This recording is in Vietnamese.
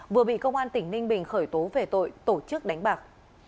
vừa bị công an tỉnh ninh bình khởi tố về tội tổ chức đánh bạc